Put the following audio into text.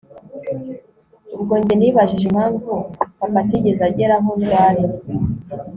ubwo njye nibajije impamvu papa atigeze agera aho ndwariye